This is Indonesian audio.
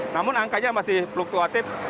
namun angkanya masih fluktuatif